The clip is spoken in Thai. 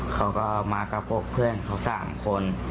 เขาก็มากับพวกเพื่อนเขา๓คน